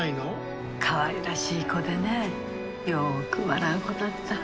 かわいらしい子でねよく笑う子だった。